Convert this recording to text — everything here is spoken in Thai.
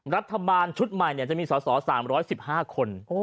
รัฐบาลชุดใหม่จะมีสอสอ๓๑๕คน